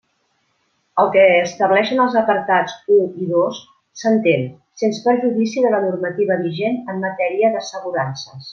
El que estableixen els apartats u i dos s'entén sens perjudici de la normativa vigent en matèria d'assegurances.